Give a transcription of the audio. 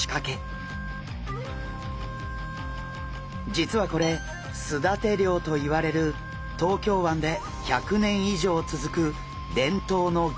実はこれすだて漁といわれる東京湾で１００年以上続く伝統の漁法。